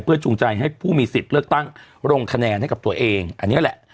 จูงใจให้ผู้มีสิทธิ์เลือกตั้งลงคะแนนให้กับตัวเองอันนี้แหละ